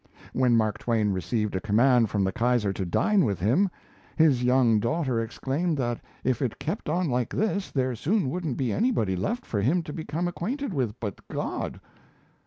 When Mark Twain received a command from the Kaiser to dine with him, his young daughter exclaimed that if it kept on like this, there soon wouldn't be anybody left for him to become acquainted with but God!